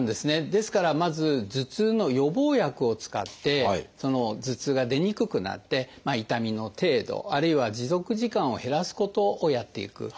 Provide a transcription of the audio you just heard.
ですからまず頭痛の予防薬を使って頭痛が出にくくなって痛みの程度あるいは持続時間を減らすことをやっていく。